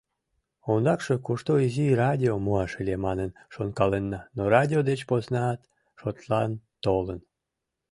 Ондакше кушто изи радиом муаш ыле манын шонкаленна, но радио деч поснат шотлан толын.